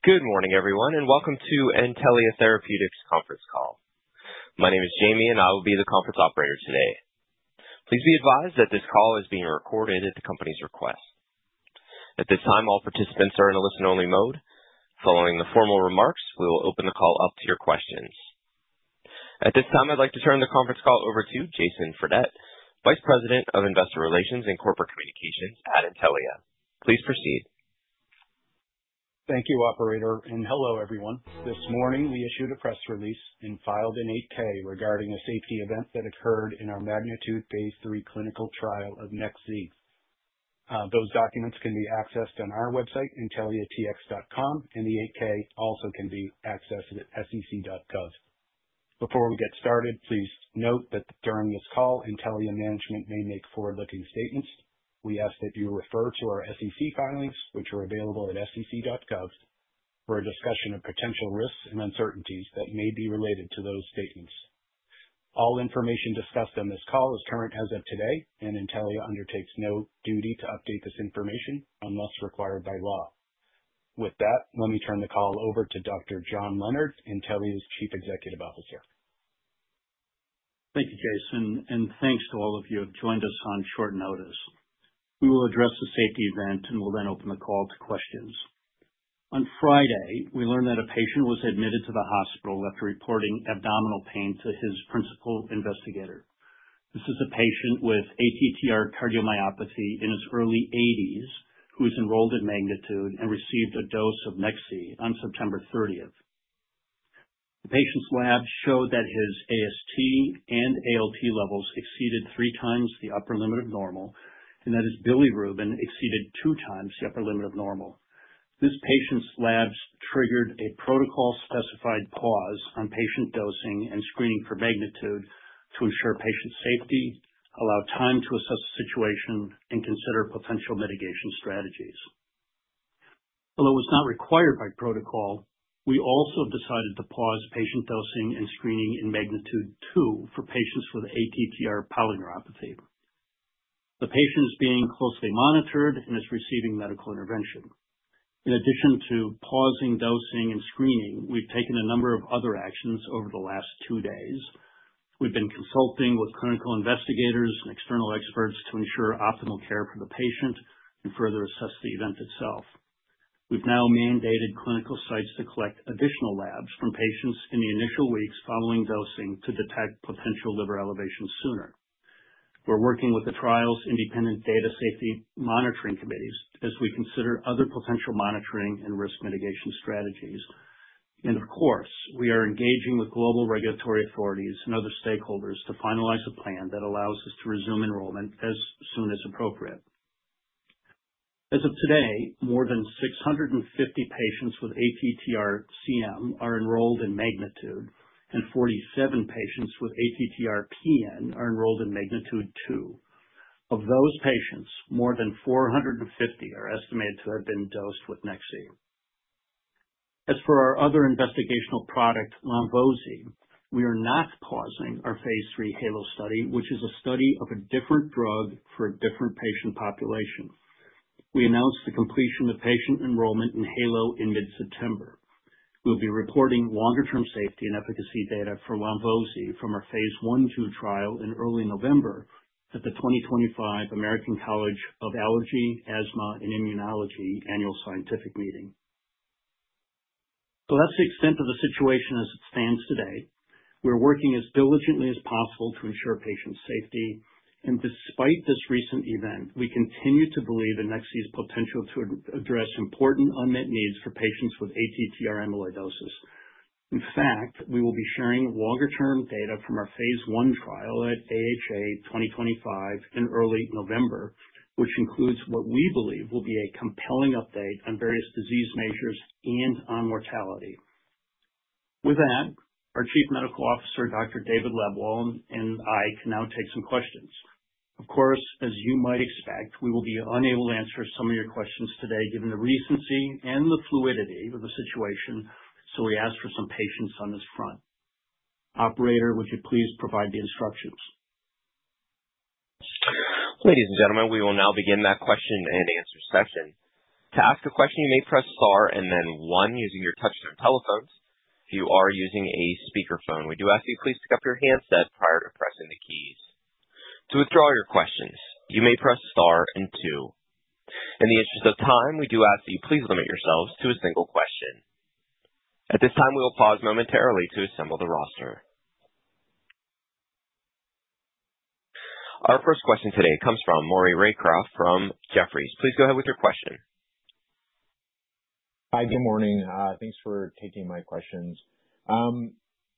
Good morning, everyone, and welcome to Intellia Therapeutics' Conference Call. My name is Jamie, and I will be the conference operator today. Please be advised that this call is being recorded at the company's request. At this time, all participants are in a listen-only mode. Following the formal remarks, we will open the call up to your questions. At this time, I'd like to turn the conference call over to Jason Fredette, Vice President of Investor Relations and Corporate Communications at Intellia. Please proceed. Thank you, Operator, and hello, everyone. This morning, we issued a press release and filed an 8-K regarding a safety event that occurred in our MAGNITUDE phase III clinical trial of Nex-Z. Those documents can be accessed on our website, intellia.com, and the 8-K also can be accessed at sec.gov. Before we get started, please note that during this call, Intellia management may make forward-looking statements. We ask that you refer to our SEC filings, which are available at sec.gov, for a discussion of potential risks and uncertainties that may be related to those statements. All information discussed on this call is current as of today, and Intellia undertakes no duty to update this information unless required by law. With that, let me turn the call over to Dr. John Leonard, Intellia's Chief Executive Officer. Thank you, Jason, and thanks to all of you who have joined us on short notice. We will address the safety event and will then open the call to questions. On Friday, we learned that a patient was admitted to the hospital after reporting abdominal pain to his principal investigator. This is a patient with ATTR cardiomyopathy in his early 80s who is enrolled at MAGNITUDE and received a dose of Nex-Z on September 30th. The patient's labs showed that his AST and ALT levels exceeded three times the upper limit of normal and that his bilirubin exceeded two times the upper limit of normal. This patient's labs triggered a protocol-specified pause on patient dosing and screening for MAGNITUDE to ensure patient safety, allow time to assess the situation, and consider potential mitigation strategies. Although it was not required by protocol, we also decided to pause patient dosing and screening in MAGNITUDE-2 for patients with ATTR polyneuropathy. The patient is being closely monitored and is receiving medical intervention. In addition to pausing dosing and screening, we've taken a number of other actions over the last two days. We've been consulting with clinical investigators and external experts to ensure optimal care for the patient and further assess the event itself. We've now mandated clinical sites to collect additional labs from patients in the initial weeks following dosing to detect potential liver elevation sooner. We're working with the trial's independent data safety monitoring committees as we consider other potential monitoring and risk mitigation strategies. And of course, we are engaging with global regulatory authorities and other stakeholders to finalize a plan that allows us to resume enrollment as soon as appropriate. As of today, more than 650 patients with ATTR-CM are enrolled in MAGNITUDE, and 47 patients with ATTR-PN are enrolled in MAGNITUDE-2. Of those patients, more than 450 are estimated to have been dosed with Nex-Z. As for our other investigational product, Lonvo-z, we are not pausing our phase III HAELO study, which is a study of a different drug for a different patient population. We announced the completion of patient enrollment in HAELO in mid-September. We'll be reporting longer-term safety and efficacy data for Lonvo-z from our phase I/II trial in early November at the 2025 American College of Allergy, Asthma, and Immunology Annual Scientific Meeting. To the lesser extent of the situation as it stands today, we're working as diligently as possible to ensure patient safety. Despite this recent event, we continue to believe in Nex-Z's potential to address important unmet needs for patients with ATTR amyloidosis. In fact, we will be sharing longer-term data from our phase I trial at AHA 2025 in early November, which includes what we believe will be a compelling update on various disease measures and on mortality. With that, our Chief Medical Officer, Dr. David Lebwohl, and I can now take some questions. Of course, as you might expect, we will be unable to answer some of your questions today given the recency and the fluidity of the situation, so we ask for some patience on this front. Operator, would you please provide the instructions? Ladies and gentlemen, we will now begin that question and answer session. To ask a question, you may press star and then one using your touchscreen telephones. If you are using a speakerphone, we do ask that you please pick up your handset prior to pressing the keys. To withdraw your questions, you may press star and two. In the interest of time, we do ask that you please limit yourselves to a single question. At this time, we will pause momentarily to assemble the roster. Our first question today comes from Maury Raycroft from Jefferies. Please go ahead with your question. Hi, good morning. Thanks for taking my questions.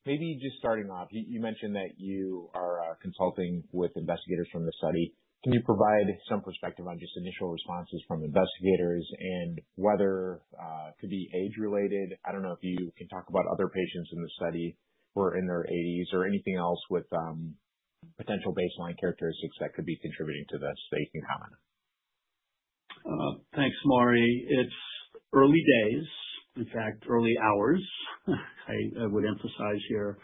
Maybe just starting off, you mentioned that you are consulting with investigators from the study. Can you provide some perspective on just initial responses from investigators and whether it could be age-related? I don't know if you can talk about other patients in the study who are in their 80s or anything else with potential baseline characteristics that could be contributing to this, that you can comment on? Thanks, Maury. It's early days, in fact, early hours, I would emphasize here,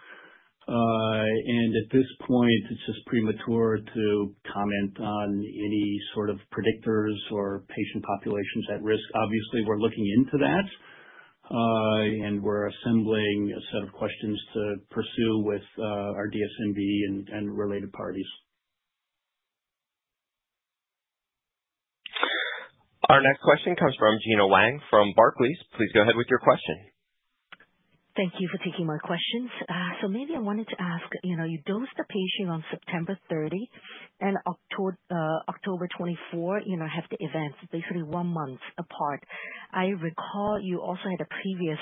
and at this point, it's just premature to comment on any sort of predictors or patient populations at risk. Obviously, we're looking into that, and we're assembling a set of questions to pursue with our DSMB and related parties. Our next question comes from Gena Wang from Barclays. Please go ahead with your question. Thank you for taking my questions. So maybe I wanted to ask, you dosed the patient on September 30th, and October 24, you know, have the events basically one month apart. I recall you also had a previous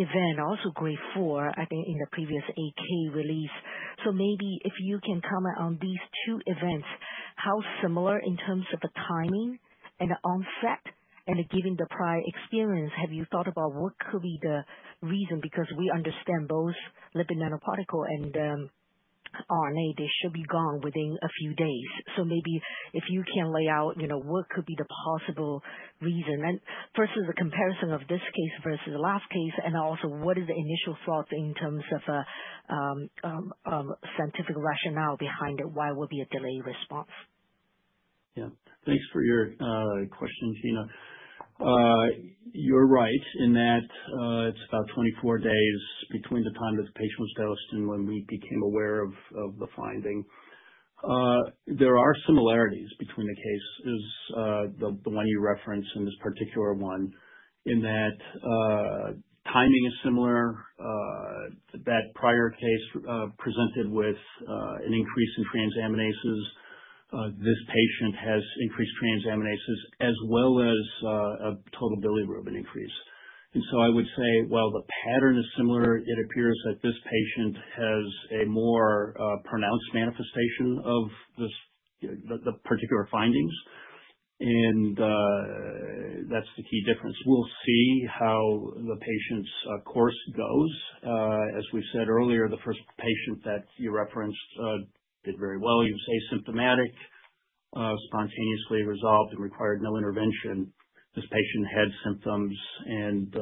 event, also grade four, I think in the previous 8-K release. So maybe if you can comment on these two events, how similar in terms of the timing and the onset and giving the prior experience, have you thought about what could be the reason? Because we understand both lipid nanoparticle and RNA, they should be gone within a few days. So maybe if you can lay out, you know, what could be the possible reason? And first is a comparison of this case versus the last case, and also what is the initial thought in terms of a scientific rationale behind it? Why would be a delayed response? Yeah, thanks for your question, Gena. You're right in that it's about 24 days between the time that the patient was dosed and when we became aware of the finding. There are similarities between the cases, the one you referenced and this particular one, in that timing is similar, that prior case presented with an increase in transaminases. This patient has increased transaminases as well as a total bilirubin increase. And so I would say, while the pattern is similar, it appears that this patient has a more pronounced manifestation of the particular findings. And that's the key difference. We'll see how the patient's course goes. As we said earlier, the first patient that you referenced did very well. He was asymptomatic, spontaneously resolved, and required no intervention. This patient had symptoms and,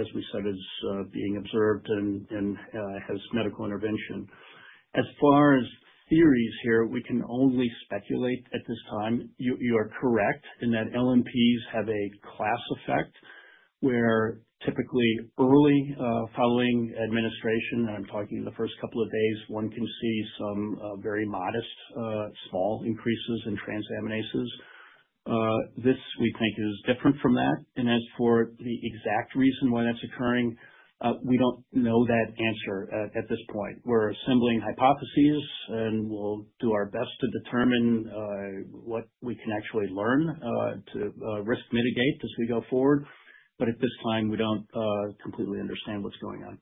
as we said, is being observed and has medical intervention. As far as theories here, we can only speculate at this time. You are correct in that LNPs have a class effect where typically early following administration, and I'm talking in the first couple of days, one can see some very modest, small increases in transaminases. This, we think, is different from that, and as for the exact reason why that's occurring, we don't know that answer at this point. We're assembling hypotheses, and we'll do our best to determine what we can actually learn to risk mitigate as we go forward, but at this time, we don't completely understand what's going on.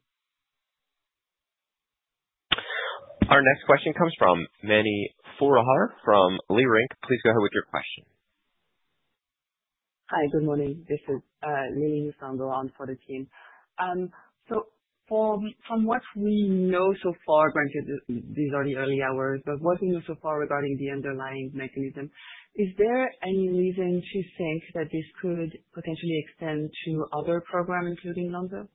Our next question comes from Mani Foroohar from Leerink. Please go ahead with your question. Hi, good morning. This is Lee for the team, so from what we know so far, granted, these are the early hours, but what we know so far regarding the underlying mechanism, is there any reason to think that this could potentially extend to other programs, including Lonvo-z?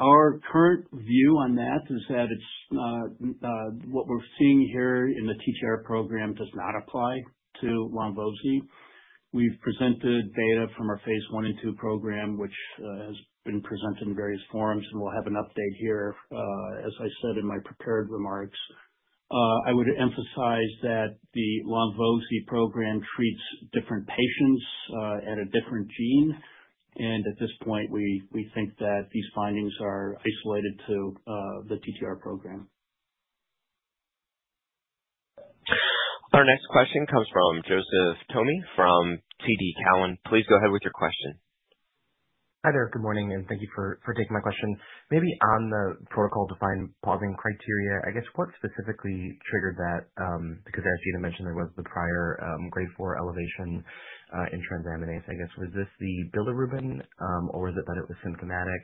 Our current view on that is that what we're seeing here in the TTR program does not applied to Lonvo-z. We've presented data from our phase I and II program, which has been presented in various forums, and we'll have an update here, as I said in my prepared remarks. I would emphasize that the Lonvo-z program treats different patients at a different gene, and at this point, we think that these findings are isolated to the TTR program. Our next question comes from Joseph Thome from TD Cowen. Please go ahead with your question. Hi there. Good morning, and thank you for taking my question. Maybe on the protocol-defined pausing criteria, I guess what specifically triggered that? Because as Gena mentioned, there was the prior grade four elevation in transaminase, I guess. Was this the bilirubin, or was it that it was symptomatic?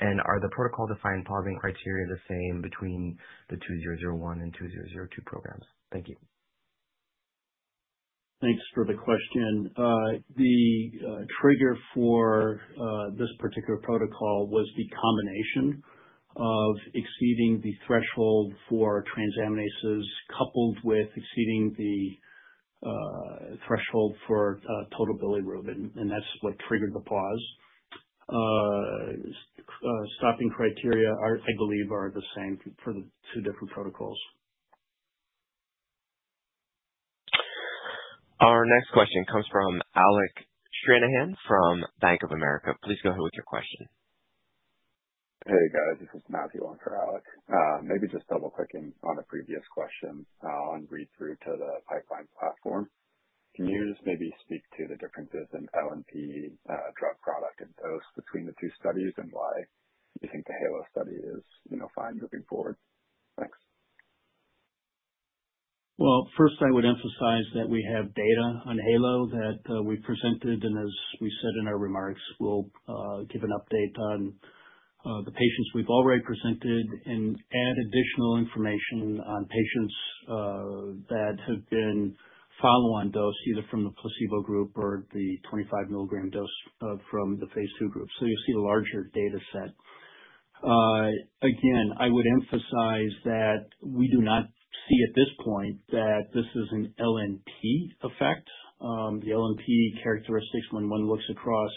And are the protocol-defined pausing criteria the same between the 2001 and 2002 programs? Thank you. Thanks for the question. The trigger for this particular protocol was the combination of exceeding the threshold for transaminases coupled with exceeding the threshold for total bilirubin, and that's what triggered the pause. Stopping criteria, I believe, are the same for the two different protocols. Our next question comes from Alec Stranahan from Bank of America. Please go ahead with your question. Hey, guys. This is Matthew on for Alec. Maybe just double-clicking on a previous question on read-through to the pipeline platform. Can you just maybe speak to the differences in LNP drug product and dose between the two studies and why you think the HAELO study is fine moving forward? Thanks. First, I would emphasize that we have data on HAELO that we presented, and as we said in our remarks, we'll give an update on the patients we've already presented and add additional information on patients that have been following dose, either from the placebo group or the 25 mg dose from the phase II group. You'll see a larger data set. Again, I would emphasize that we do not see at this point that this is an LNP effect. The LNP characteristics, when one looks across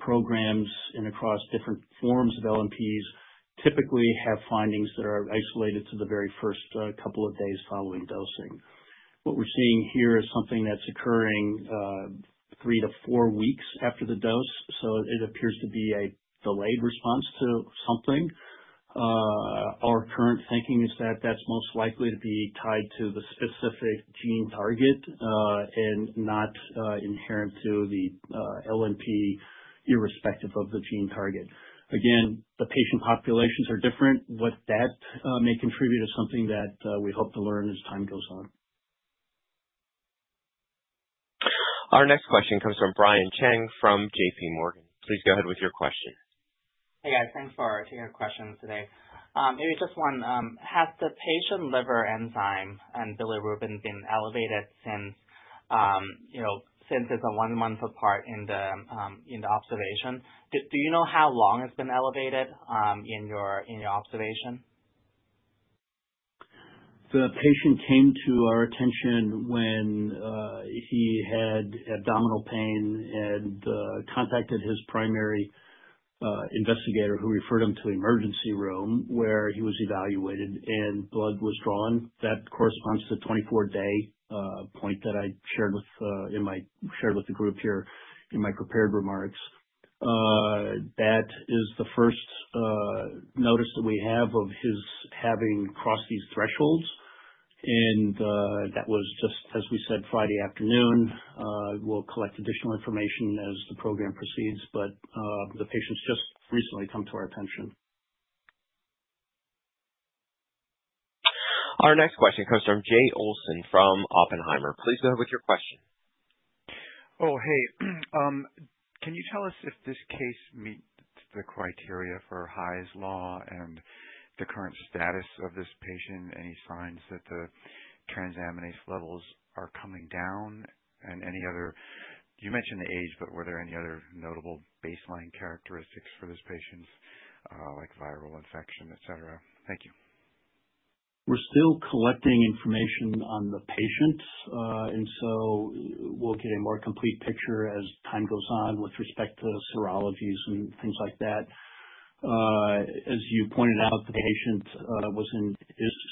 programs and across different forms of LNPs, typically have findings that are isolated to the very first couple of days following dosing. What we're seeing here is something that's occurring three to four weeks after the dose. It appears to be a delayed response to something. Our current thinking is that that's most likely to be tied to the specific gene target and not inherent to the LNP, irrespective of the gene target. Again, the patient populations are different. What that may contribute is something that we hope to learn as time goes on. Our next question comes from Brian Cheng from JPMorgan. Please go ahead with your question. Hey, guys. Thanks for taking our questions today. Maybe just one. Has the patient liver enzyme and bilirubin been elevated since it's a one-month apart in the observation? Do you know how long it's been elevated in your observation? The patient came to our attention when he had abdominal pain and contacted his primary investigator, who referred him to the emergency room where he was evaluated and blood was drawn. That corresponds to the 24-day point that I shared with the group here in my prepared remarks. That is the first notice that we have of his having crossed these thresholds, and that was just, as we said, Friday afternoon. We'll collect additional information as the program proceeds, but the patient's just recently come to our attention. Our next question comes from Jay Olson from Oppenheimer. Please go ahead with your question. Oh, hey. Can you tell us if this case meets the criteria for Hy's Law and the current status of this patient? Any signs that the transaminase levels are coming down? And you mentioned age, but were there any other notable baseline characteristics for this patient, like viral infection, etc.? Thank you. We're still collecting information on the patient, and so we'll get a more complete picture as time goes on with respect to serologies and things like that. As you pointed out, the patient was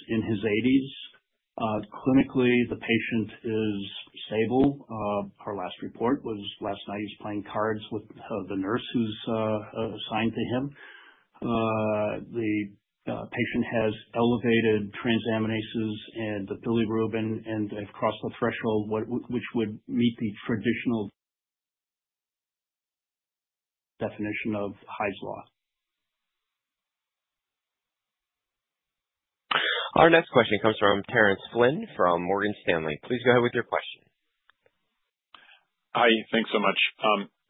in his 80s. Clinically, the patient is stable. Our last report was last night. He was playing cards with the nurse who's assigned to him. The patient has elevated transaminases and the bilirubin, and they've crossed the threshold, which would meet the traditional definition of Hy's Law. Our next question comes from Terence Flynn from Morgan Stanley. Please go ahead with your question. Hi, thanks so much.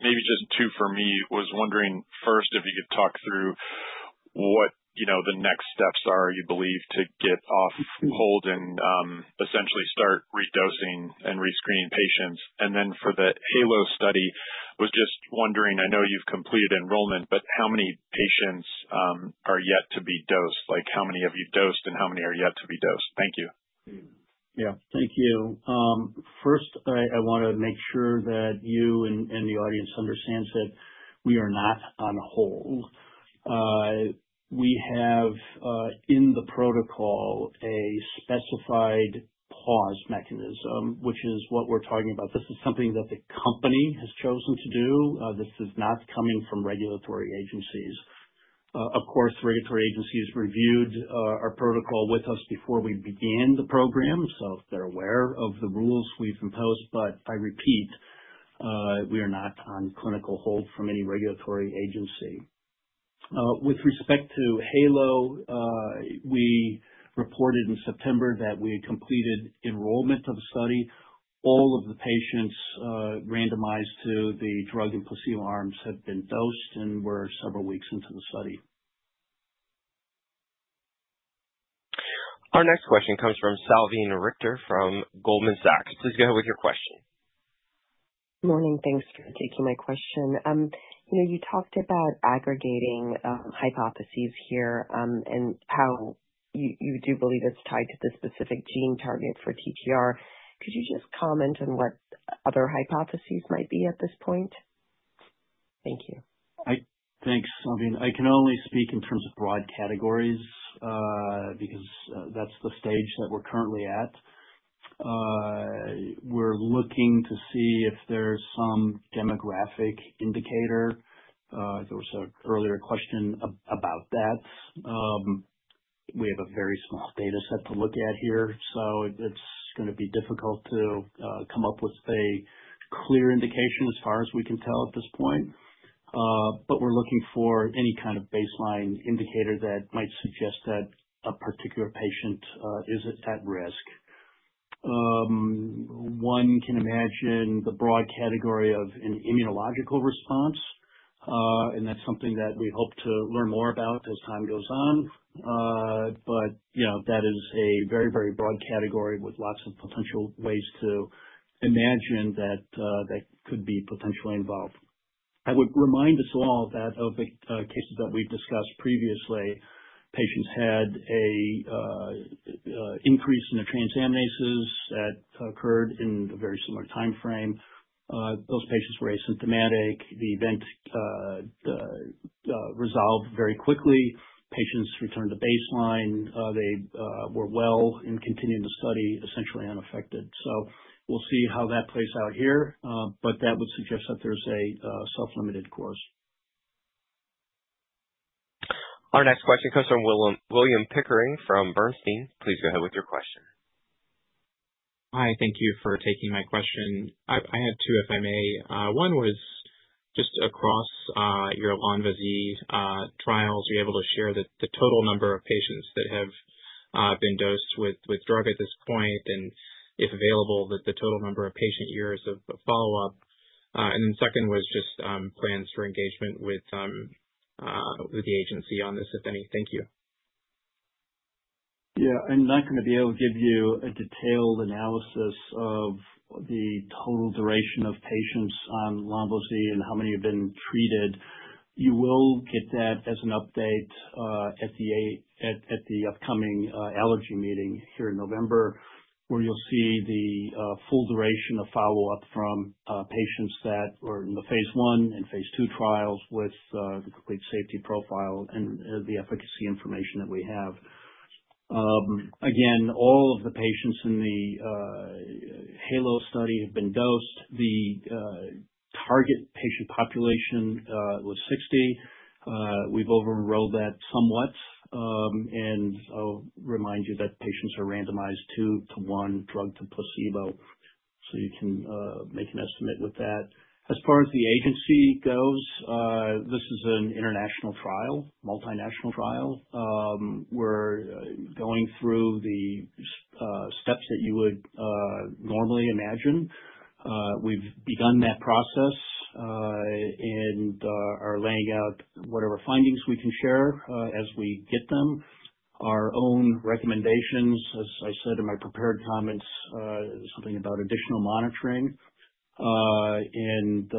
Maybe just two for me. I was wondering first if you could talk through what the next steps are, you believe, to get off hold and essentially start redosing and rescreening patients. And then for the HAELO study, I was just wondering. I know you've completed enrollment, but how many patients are yet to be dosed? Like, how many have you dosed and how many are yet to be dosed? Thank you. Yeah, thank you. First, I want to make sure that you and the audience understand that we are not on hold. We have, in the protocol, a specified pause mechanism, which is what we're talking about. This is something that the company has chosen to do. This is not coming from regulatory agencies. Of course, regulatory agencies reviewed our protocol with us before we began the program, so they're aware of the rules we've imposed. But I repeat, we are not on clinical hold from any regulatory agency. With respect to HAELO, we reported in September that we had completed enrollment of the study. All of the patients randomized to the drug and placebo arms have been dosed and were several weeks into the study. Our next question comes from Salveen Richter from Goldman Sachs. Please go ahead with your question. Good morning. Thanks for taking my question. You talked about aggregating hypotheses here and how you do believe it's tied to the specific gene target for TTR. Could you just comment on what other hypotheses might be at this point? Thank you. Thanks. I mean, I can only speak in terms of broad categories because that's the stage that we're currently at. We're looking to see if there's some demographic indicator. There was an earlier question about that. We have a very small data set to look at here, so it's going to be difficult to come up with a clear indication as far as we can tell at this point. But we're looking for any kind of baseline indicator that might suggest that a particular patient is at risk. One can imagine the broad category of an immunological response, and that's something that we hope to learn more about as time goes on. But that is a very, very broad category with lots of potential ways to imagine that that could be potentially involved. I would remind us all that of the cases that we've discussed previously. Patients had an increase in the transaminases that occurred in a very similar timeframe. Those patients were asymptomatic. The event resolved very quickly. Patients returned to baseline. They were well and continued the study essentially unaffected. So we'll see how that plays out here, but that would suggest that there's a self-limited course. Our next question comes from William Pickering from Bernstein. Please go ahead with your question. Hi. Thank you for taking my question. I had two, if I may. One was just across your Lonvo-z trials. Are you able to share the total number of patients that have been dosed with drug at this point? And if available, the total number of patient years of follow-up? And then second was just plans for engagement with the agency on this, if any. Thank you. Yeah. I'm not going to be able to give you a detailed analysis of the total duration of patients on Lonvo-z and how many have been treated. You will get that as an update at the upcoming Allergy Meeting here in November, where you'll see the full duration of follow-up from patients that were in the phase I and phase II trials with the complete safety profile and the efficacy information that we have. Again, all of the patients in the HAELO study have been dosed. The target patient population was 60. We've overenrolled that somewhat. And I'll remind you that patients are randomized to one drug to placebo, so you can make an estimate with that. As far as the agency goes, this is an international trial, multinational trial. We're going through the steps that you would normally imagine. We've begun that process and are laying out whatever findings we can share as we get them. Our own recommendations, as I said in my prepared comments, something about additional monitoring, and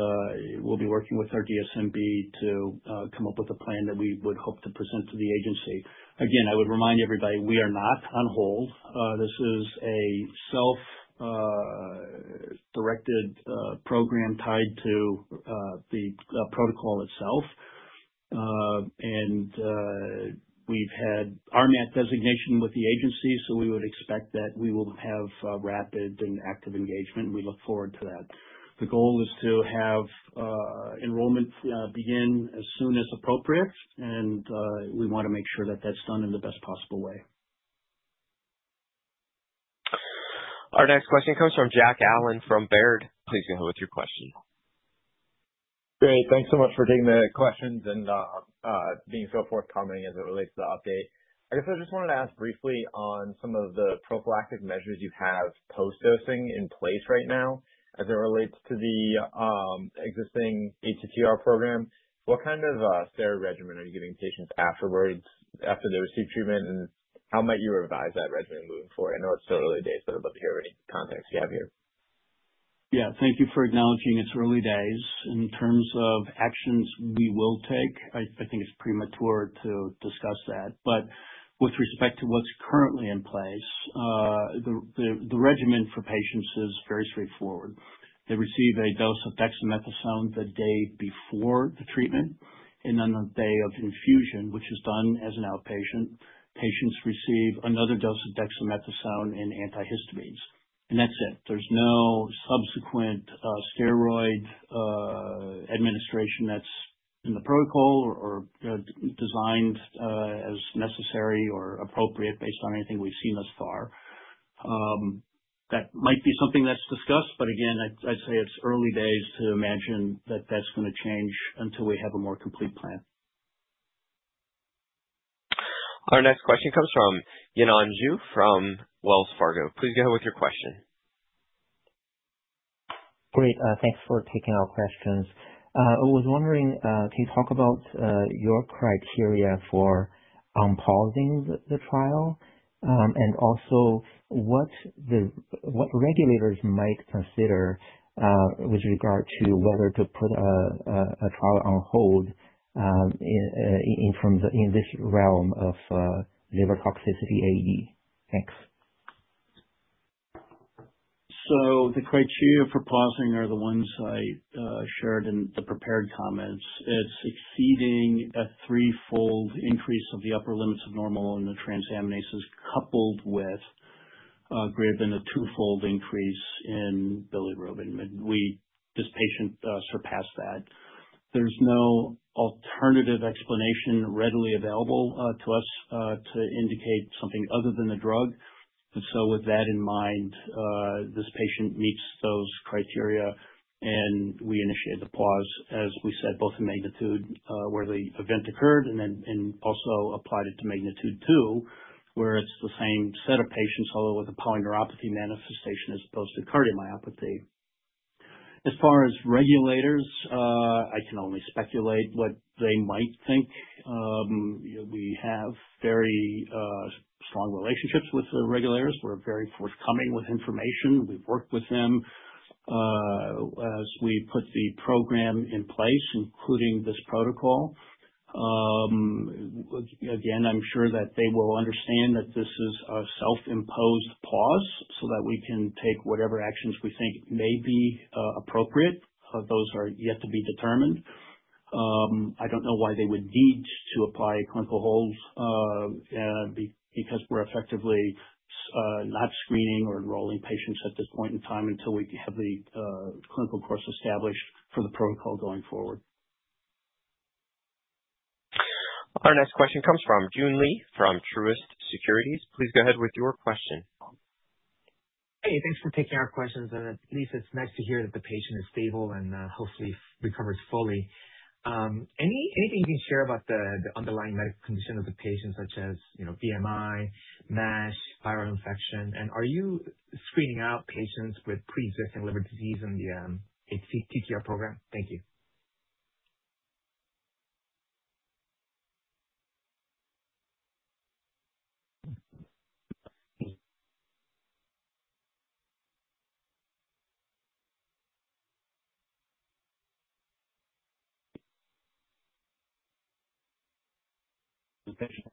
we'll be working with our DSMB to come up with a plan that we would hope to present to the agency. Again, I would remind everybody we are not on hold. This is a self-directed program tied to the protocol itself, and we've had RMAT designation with the agency, so we would expect that we will have rapid and active engagement, and we look forward to that. The goal is to have enrollment begin as soon as appropriate, and we want to make sure that that's done in the best possible way. Our next question comes from Jack Allen from Baird. Please go ahead with your question. Great. Thanks so much for taking the questions and being so forthcoming as it relates to the update. I guess I just wanted to ask briefly on some of the prophylactic measures you have post-dosing in place right now as it relates to the existing ATTR program. What kind of steroid regimen are you giving patients afterwards after they receive treatment, and how might you revise that regimen moving forward? I know it's still early days, but I'd love to hear any context you have here. Yeah. Thank you for acknowledging it's early days. In terms of actions we will take, I think it's premature to discuss that. But with respect to what's currently in place, the regimen for patients is very straightforward. They receive a dose of dexamethasone the day before the treatment and then the day of infusion, which is done as an outpatient. Patients receive another dose of dexamethasone and antihistamines. And that's it. There's no subsequent steroid administration that's in the protocol or designed as necessary or appropriate based on anything we've seen thus far. That might be something that's discussed, but again, I'd say it's early days to imagine that that's going to change until we have a more complete plan. Our next question comes from Yanan Zhu from Wells Fargo. Please go ahead with your question. Great. Thanks for taking our questions. I was wondering, can you talk about your criteria for pausing the trial? And also, what regulators might consider with regard to whether to put a trial on hold in this realm of liver toxicity AE? Thanks. So the criteria for pausing are the ones I shared in the prepared comments. It's exceeding a threefold increase of the upper limits of normal in the transaminases, coupled with greater than a twofold increase in bilirubin. This patient surpassed that. There's no alternative explanation readily available to us to indicate something other than the drug. And so with that in mind, this patient meets those criteria, and we initiated the pause, as we said, both in MAGNITUDE where the event occurred and also applied it to MAGNITUDE-2, where it's the same set of patients, although with a polyneuropathy manifestation as opposed to cardiomyopathy. As far as regulators, I can only speculate what they might think. We have very strong relationships with the regulators. We're very forthcoming with information. We've worked with them as we put the program in place, including this protocol. Again, I'm sure that they will understand that this is a self-imposed pause so that we can take whatever actions we think may be appropriate. Those are yet to be determined. I don't know why they would need to apply a clinical hold because we're effectively not screening or enrolling patients at this point in time until we have the clinical course established for the protocol going forward. Our next question comes from Joon Lee from Truist Securities. Please go ahead with your question. Hey, thanks for taking our questions. And at least it's nice to hear that the patient is stable and hopefully recovers fully. Anything you can share about the underlying medical condition of the patient, such as BMI, MASH, viral infection? And are you screening out patients with pre-existing liver disease in the ATTR program? Thank you.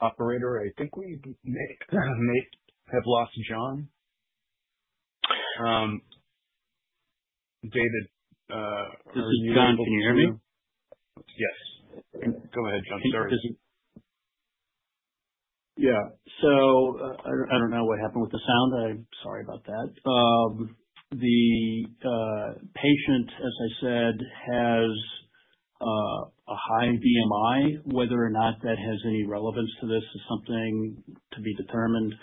Operator, I think we may have lost John. David. John, can you hear me? Yes. Go ahead, John. Sorry. Yeah. So I don't know what happened with the sound. I'm sorry about that. The patient, as I said, has a high BMI. Whether or not that has any relevance to this is something to be determined.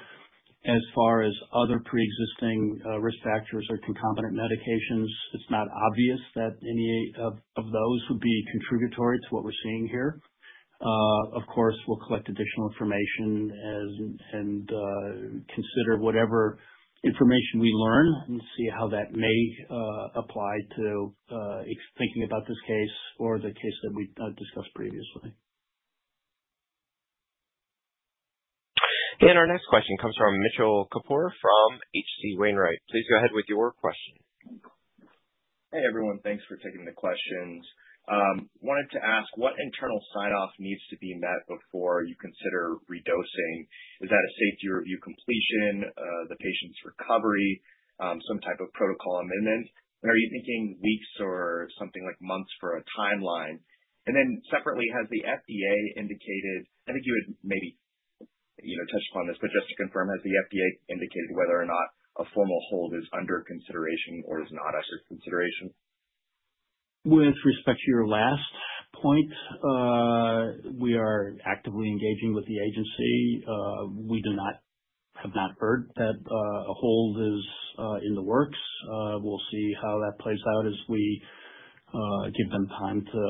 As far as other pre-existing risk factors or concomitant medications, it's not obvious that any of those would be contributory to what we're seeing here. Of course, we'll collect additional information and consider whatever information we learn and see how that may apply to thinking about this case or the case that we discussed previously. And our next question comes from Mitchell Kapoor from H.C. Wainwright. Please go ahead with your question. Hey, everyone. Thanks for taking the questions. Wanted to ask, what internal sign-off needs to be met before you consider redosing? Is that a safety review completion, the patient's recovery, some type of protocol amendment? And are you thinking weeks or something like months for a timeline? And then separately, has the FDA indicated, I think you had maybe touched upon this, but just to confirm, has the FDA indicated whether or not a formal hold is under consideration or is not under consideration? With respect to your last point, we are actively engaging with the agency. We have not heard that a hold is in the works. We'll see how that plays out as we give them time to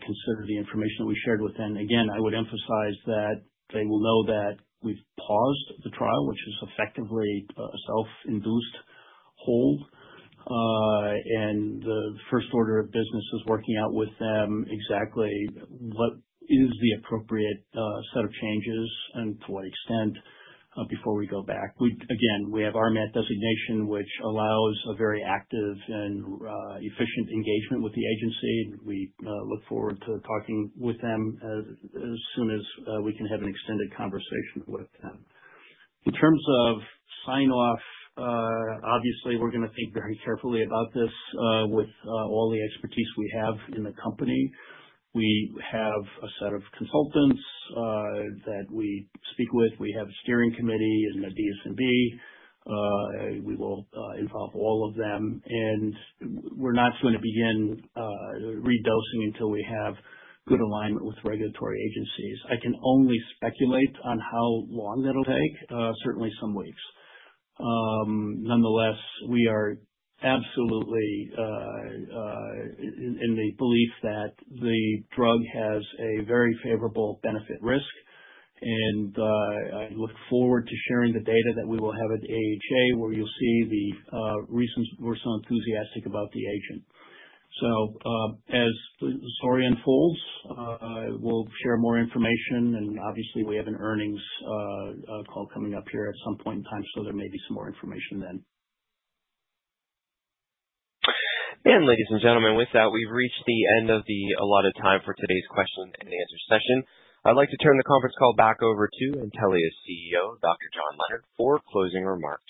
consider the information that we shared with them. Again, I would emphasize that they will know that we've paused the trial, which is effectively a self-induced hold, and the first order of business is working out with them exactly what is the appropriate set of changes and to what extent before we go back. Again, we have RMAT designation, which allows a very active and efficient engagement with the agency. We look forward to talking with them as soon as we can have an extended conversation with them. In terms of sign-off, obviously, we're going to think very carefully about this with all the expertise we have in the company. We have a set of consultants that we speak with. We have a steering committee and a DSMB. We will involve all of them, and we're not going to begin redosing until we have good alignment with regulatory agencies. I can only speculate on how long that'll take. Certainly, some weeks. Nonetheless, we are absolutely in the belief that the drug has a very favorable benefit-risk, and I look forward to sharing the data that we will have at AHA, where you'll see the reasons we're so enthusiastic about the agent, so as the story unfolds, we'll share more information, and obviously, we have an earnings call coming up here at some point in time, so there may be some more information then. Ladies and gentlemen, with that, we've reached the end of the allotted time for today's question-and-answer session. I'd like to turn the conference call back over to Intellia's CEO, Dr. John Leonard, for closing remarks.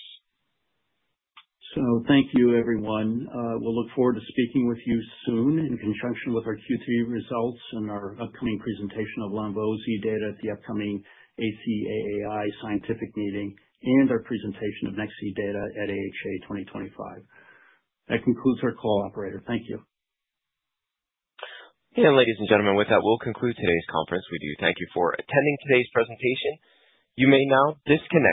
So thank you, everyone. We'll look forward to speaking with you soon in conjunction with our Q3 results and our upcoming presentation of lonvo-z data at the upcoming ACAAI Scientific Meeting and our presentation of Nex-Z data at AHA 2025. That concludes our call, Operator. Thank you. And ladies and gentlemen, with that, we'll conclude today's conference. We do thank you for attending today's presentation. You may now disconnect.